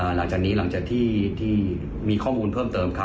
หลังจากนี้หลังจากที่มีข้อมูลเพิ่มเติม